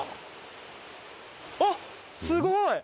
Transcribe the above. あっすごい！